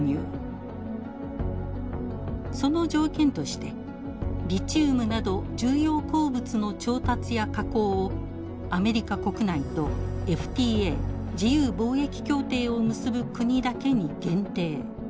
その条件としてリチウムなど重要鉱物の調達や加工をアメリカ国内とＦＴＡ自由貿易協定を結ぶ国だけに限定。